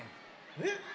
えっ？